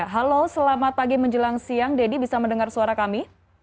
halo selamat pagi menjelang siang deddy bisa mendengar suara kami